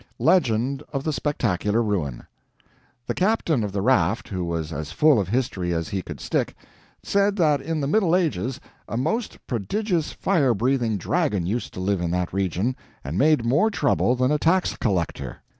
LEGEND OF THE "SPECTACULAR RUIN" The captain of the raft, who was as full of history as he could stick, said that in the Middle Ages a most prodigious fire breathing dragon used to live in that region, and made more trouble than a tax collector.